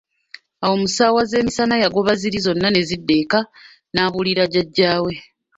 Awo mu ssaawa ze byemisana yagoba ziri zonna ne zidda eka nabuulira jajjaa we.